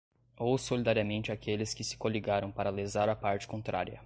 ou solidariamente aqueles que se coligaram para lesar a parte contrária